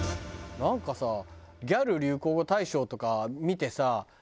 なんかさギャル流行語大賞とか見てさ